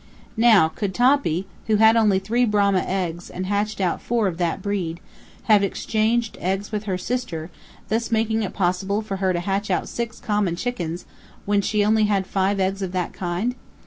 Now, could Toppy, who had only three Brahma eggs, and hatched out four of that breed, have exchanged eggs with her sister, thus making it possible for her to hatch out six common chickens, when she only had five eggs of that kind?